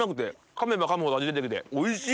噛めば噛むほど味出てきておいしい！